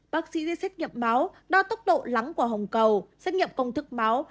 bác sĩ di xét nghiệm máu đo tốc độ lắng của hồng cầu xét nghiệm công thức máu